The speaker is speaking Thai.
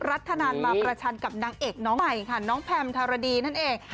ธนันมาประชันกับนางเอกน้องใหม่ค่ะน้องแพมธารดีนั่นเอง